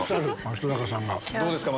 松坂さん。